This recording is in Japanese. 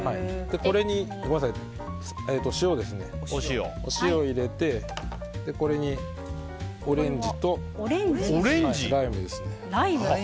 これにお塩を入れてそしてオレンジと、ライムですね。